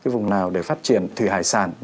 vùng nào để phát triển thủy hải sản